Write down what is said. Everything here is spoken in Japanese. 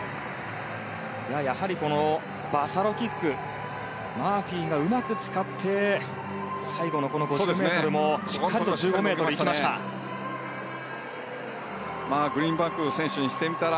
やはり、バサロキックマーフィーがうまく使って最後の５０ｍもしっかりと１５ｍいきました。